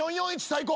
最高。